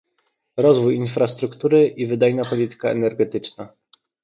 rozwój infrastruktury i wydajna polityka energetyczna